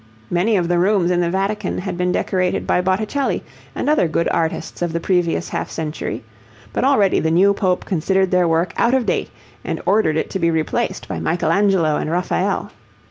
Many of the rooms in the Vatican had been decorated by Botticelli and other good artists of the previous half century, but already the new pope considered their work out of date and ordered it to be replaced by Michelangelo and Raphael.